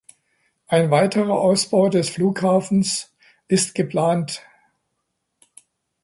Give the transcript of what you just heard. Ein weiterer Ausbau der Flughafens ist geplant.